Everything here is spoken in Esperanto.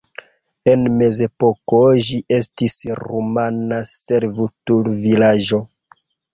En mezepoko ĝi estis rumana servutulvilaĝo.